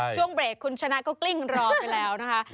ช่วงเบรกคุณชนะก็กลิ้งรอไปแล้วนะคะ